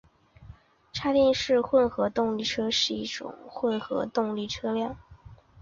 插电式混合动力车是一种混合动力车辆。